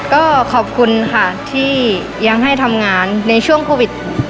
ก็ขอบคุณค่ะที่ยังให้ทำงานในช่วงโควิด